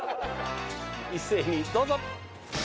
一斉にどうぞ。